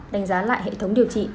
đánh giá lại hệ thống điều trị